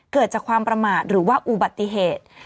เกิดจากความประมาทหรือว่าอุบัติเหตุ